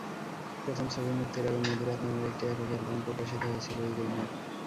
প্রথম ছবি মুক্তির আগে মধুরাত নামের একটি একক অ্যালবাম প্রকাশিত হয়েছিল ইরিনের।